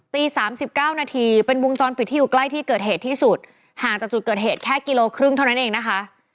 สามสิบเก้านาทีเป็นวงจรปิดที่อยู่ใกล้ที่เกิดเหตุที่สุดห่างจากจุดเกิดเหตุแค่กิโลครึ่งเท่านั้นเองนะคะ